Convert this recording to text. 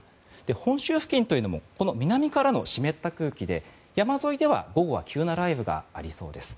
本州付近というのも南からの湿った空気で山沿いでは午後は急な雷雨がありそうです。